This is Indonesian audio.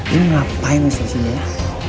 lu ngapain masih disini ya